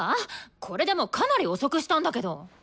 これでもかなり遅くしたんだけど！